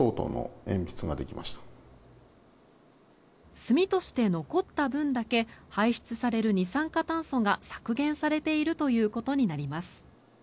炭として残った分だけ排出される二酸化炭素が削減されているということになります。